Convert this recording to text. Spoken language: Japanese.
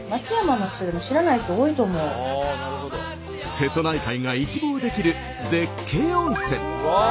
瀬戸内海が一望できる絶景温泉。